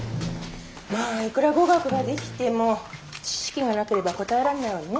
まあいくら語学ができても知識がなければ答えられないわね。